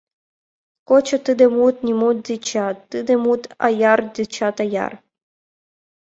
Кочо тиде мут нимо дечат, Тиде мут аяр дечат аяр.